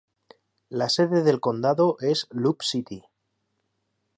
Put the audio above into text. La sede del condado es Loup City.